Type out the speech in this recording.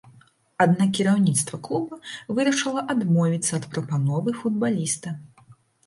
Аднак кіраўніцтва клуба вырашыла адмовіцца ад прапановы футбаліста.